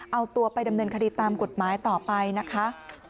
เอาตัวไปดำเนินคดีตามกฎหมายต่อไปนะคะ